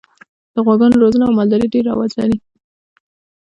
د غواګانو روزنه او مالداري ډېر رواج لري.